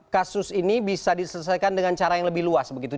kasus ini bisa diselesaikan dengan cara yang lebih luas begitu